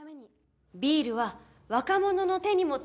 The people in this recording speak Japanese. ビールは若者の手にも届きやすい。